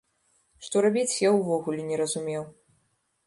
Што рабіць, я ўвогуле не разумеў.